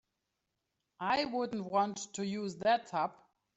I wouldn't want to use that tub.